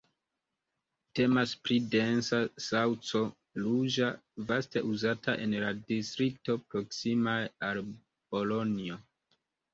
Temas pri densa saŭco, ruĝa, vaste uzata en la distriktoj proksimaj al Bolonjo.